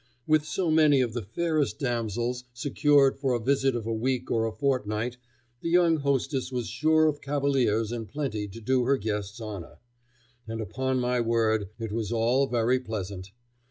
With so many of the fairest damsels secured for a visit of a week or a fortnight, the young hostess was sure of cavaliers in plenty to do her guests honor. And upon my word it was all very pleasant!